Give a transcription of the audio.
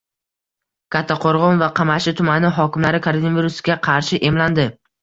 Kattaqo‘rg‘on va Qamashi tumani hokimlari koronavirusga qarshi emlandi